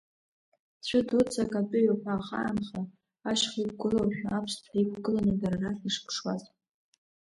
Цәы дуӡӡак атәыҩақәа ахаанха, ашьха иқәгылоушәа, аԥсҭҳәа иқәгыланы дара рахь ишыԥшуаз.